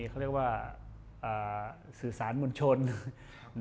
เขาเรียกว่าสื่อสารมวลชน